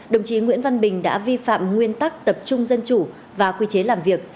đồng chí nguyễn văn bình đã vi phạm nguyên tắc tập trung dân chủ và quy chế làm việc